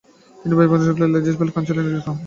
তিনি ভাইসরয়ের লেজিসলেটিভ কাউন্সিলের সদস্য নিযুক্ত হন।